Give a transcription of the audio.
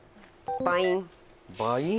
バイン。